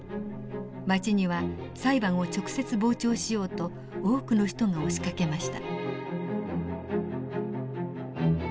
町には裁判を直接傍聴しようと多くの人が押しかけました。